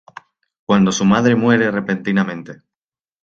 Cuando su madre muere repentinamente.